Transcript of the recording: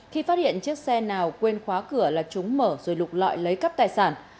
khi phát hiện chiếc xe nào quên khóa cửa là chúng mở rồi lục lọi lấy cắp tài sản